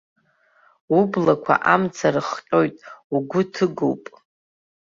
Ублақәа амца рыхҟьоит, угәы ҭыгоуп.